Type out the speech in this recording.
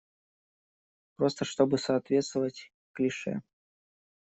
Просто, чтобы соответствовать клише.